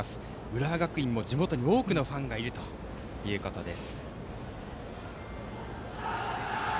浦和学院も地元に多くのファンがいるということです。